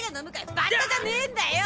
バッタじゃねえんだよ！